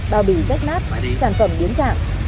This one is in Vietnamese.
bao bì rách nát sản phẩm biến dạng